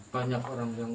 banyak orang yang